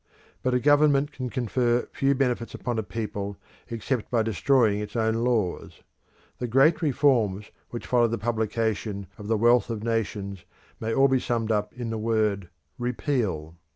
But a government can confer few benefits upon a people except by destroying its own laws. The great reforms which followed the publication of "The Wealth of Nations" may all be summed up in the word Repeal.